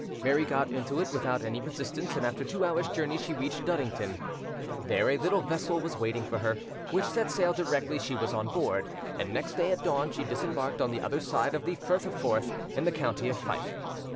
Mary got into it without any resistance, and after two hours' journey she reached Duddington; there a little vessel was waiting for her, which set sail directly she was on board, and next day at dawn she disembarked on the other side of the Firth of Forth in the county of Fife.